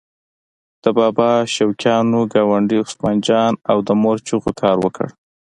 د بابا شوقیانو ګاونډي عثمان جان او د مور چغو کار وکړ.